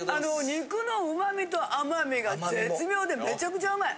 肉の旨みと甘みが絶妙でめちゃくちゃ旨い。